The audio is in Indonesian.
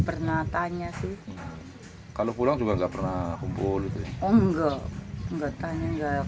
pernah tanya sih kalau pulang juga enggak pernah kumpul enggak enggak tanya enggak